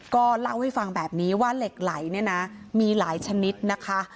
ก็เล่าให้ฟังแบบนี้ว่าเหล็กไหลเนี่ยนะมีหลายชนิดนะคะ